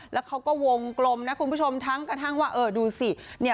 แล้วเขาก็วงกลมนะคุณผู้ชมทั้งกระทั่งว่าเออดูสิเนี่ย